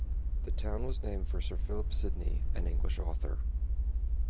The town was named for Sir Philip Sidney, an English author.